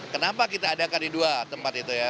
kenapa kita adakan di dua tempat itu ya